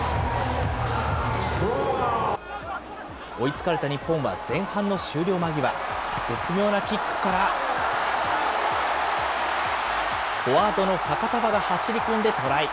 追いつかれた日本は、前半の終了間際、絶妙なキックから、フォワードのファカタヴァが走り込んでトライ。